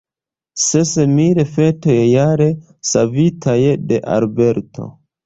Ses mil fetoj jare savitaj de aborto.